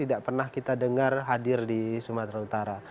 tidak pernah kita dengar hadir di sumatera utara